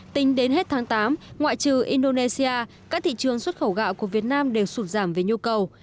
tính đến hết tháng tám ngoại trừ indonesia các thị trường xuất khẩu gạo của việt nam đều sụt giảm về nhu cầu